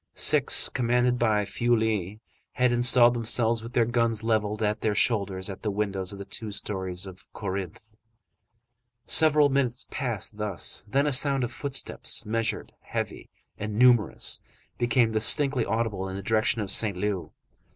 Six, commanded by Feuilly, had installed themselves, with their guns levelled at their shoulders, at the windows of the two stories of Corinthe. Several minutes passed thus, then a sound of footsteps, measured, heavy, and numerous, became distinctly audible in the direction of Saint Leu.